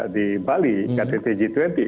di bali ktt g dua puluh